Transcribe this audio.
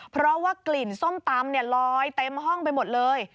เพราะว่ากลิ่นส้มตำลอยเต็มห้องไปหมดเลย